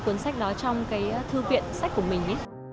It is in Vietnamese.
cuốn sách đó trong cái thư viện sách của mình